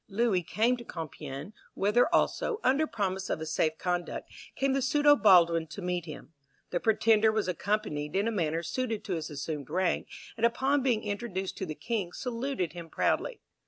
Louis came to Compiegne, whither also, under promise of a safe conduct, came the pseudo Baldwin to meet him. The pretender was accompanied in a manner suited to his assumed rank, and upon being introduced to the king saluted him proudly.